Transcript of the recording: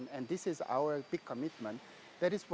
dan ini adalah komitmen kami